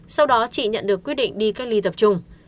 sau đó chị nhận được quyết định đi cách ly tập trung